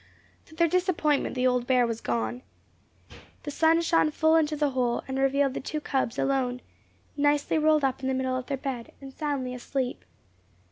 To their disappointment the old bear was gone. The sun shone full into the hole, and revealed the two cubs alone, nicely rolled up in the middle of their bed, and soundly asleep.